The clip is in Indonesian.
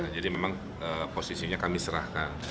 jadi memang posisinya kami serahkan